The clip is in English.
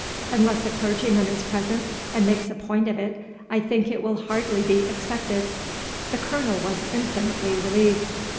Unless a clergyman is present and makes a point of it, I think it will hardly be expected." The Colonel was infinitely relieved.